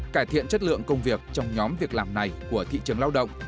cải thiện chất lượng công việc trong nhóm việc làm này của thị trường lao động